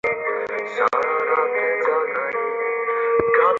উদাহরণস্বরূপ বিভীষণ সত্ত্বগুণ, রাবণ রজোগুণ এবং কুম্ভকর্ণ তমোগুণের প্রতীক।